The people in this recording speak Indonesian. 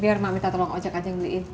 biar mak minta tolong ojek aja ngelihin